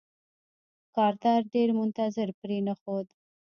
کارتر ډېر منتظر پرې نښود.